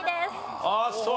あっそう。